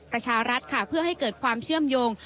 ประชารัฐค่ะเพื่อให้เกิดความเชื่อมโยง